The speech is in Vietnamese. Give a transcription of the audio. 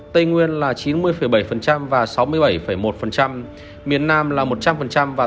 tây nguyên là chín mươi bảy và sáu mươi bảy một miền nam là một trăm linh và tám mươi chín ba